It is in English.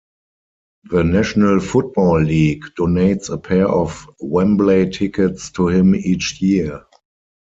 The National Football League donates a pair of Wembley tickets to him each year.